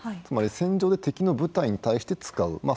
つまり戦場で敵の部隊に対して使う。